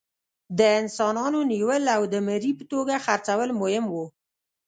د انسانانو نیول او د مري په توګه خرڅول مهم وو.